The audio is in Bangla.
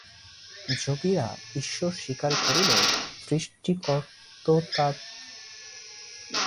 যোগীরা ঈশ্বর স্বীকার করিলেও সৃষ্টিকর্তৃত্বাদি ঈশ্বরসম্বন্ধীয় বিবিধ ভাবের কোন প্রসঙ্গ উত্থাপন করেন না।